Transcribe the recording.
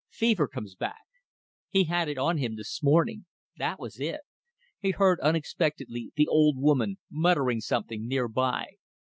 Fever comes back. He had it on him this morning. That was it. ... He heard unexpectedly the old woman muttering something near by.